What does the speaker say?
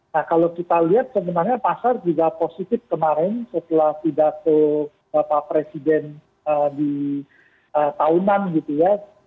nah kalau kita lihat sebenarnya pasar juga positif kemarin setelah pidato bapak presiden di tahunan gitu ya